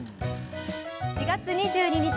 ４月２２日